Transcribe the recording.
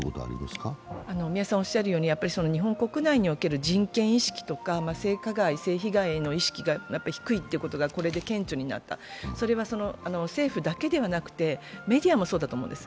日本国内における人権意識、性加害、性被害の意識が低いということがこれで顕著になった、それは政府だけではなくて、メディアもそうだと思うんです。